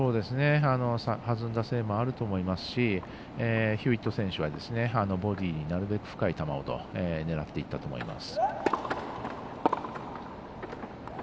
弾んだせいもあると思いますしヒューウェット選手はボディーになるべく深い球を狙っていったと思います。